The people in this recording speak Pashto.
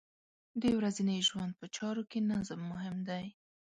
د ورځنۍ ژوند په چارو کې نظم مهم دی.